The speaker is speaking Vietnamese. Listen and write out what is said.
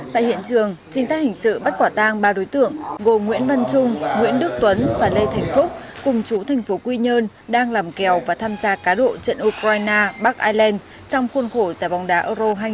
tại hiện trường trinh sát hình sự bắt quả tang ba đối tượng gồm nguyễn văn trung nguyễn đức tuấn và lê thành phúc cùng chú thành phố quy nhơn đang làm kèo và tham gia cá độ trận ukraine bắc ireland trong khuôn khổ giải bóng đá euro hai nghìn hai mươi